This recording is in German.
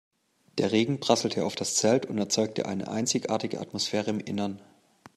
Der Regen prasselte auf das Zelt und erzeugte eine einzigartige Atmosphäre im Innern.